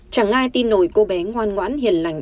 chẳng ai tin nồi cô bé ngoan ngoãn hiền lành